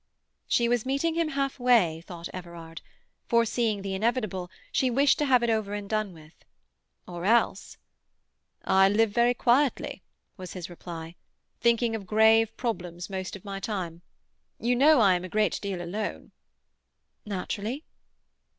She was meeting him half way, thought Everard. Foreseeing the inevitable, she wished to have it over and done with. Or else— "I live very quietly," was his reply, "thinking of grave problems most of my time. You know I am a great deal alone." "Naturally."